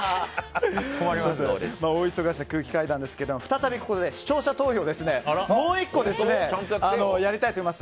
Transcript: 大忙しの空気階段ですが、再びここで視聴者投票もう１個、やりたいと思います。